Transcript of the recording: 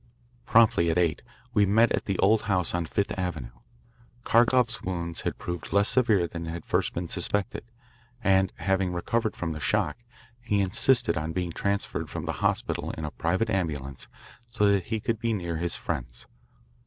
Promptly at eight we met at the old house on Fifth Avenue. Kharkoff's wounds had proved less severe than had at first been suspected, and, having recovered from the shock, he insisted on being transferred from the hospital in a private ambulance so that he could be near his friends.